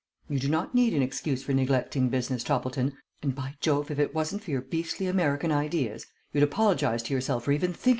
You do not need an excuse for neglecting business, Toppleton, and, by Jove, if it wasn't for your beastly American ideas, you'd apologize to yourself for even thinking of such a thing."